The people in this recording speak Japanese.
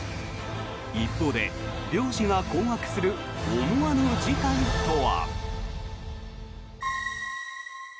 一方で漁師が困惑する思わぬ事態とは。